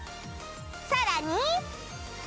さらに